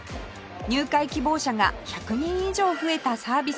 入会希望者が１００人以上増えたサービスだそうです